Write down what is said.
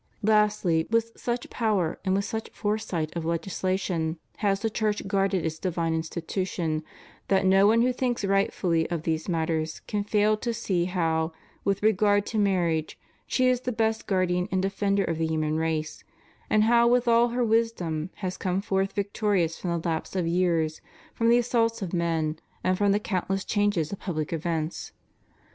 Lastly, with such power and with such foresight of legislation has the Church guarded its divine institution, that no one who thinks rightfully of these matters can fail to see how, with regard to marriage, she is the best guard ian and defender of the human race ; and how withal her wisdom has come forth victorious from the lapse of years, from the assaults of men, and from the countless changes of public events.